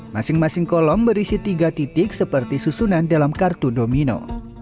masing masing kolom berisi tiga titik seperti susunan dalam kartu domino